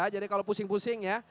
jadi kalau pusing pusing ya